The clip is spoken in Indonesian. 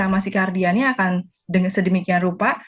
maksikardiannya akan sedemikian rupa